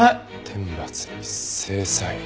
「天罰」に「制裁」。